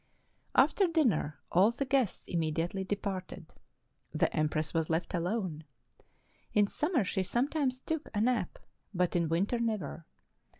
After dinner all the guests immediately departed. The empress was left alone: in summer she sometimes took a nap, but in winter never.